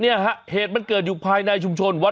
เนี่ยฮะเหตุมันเกิดอยู่ภายในชุมชนวัด